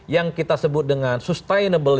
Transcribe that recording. yang kita sebut dengan sustainable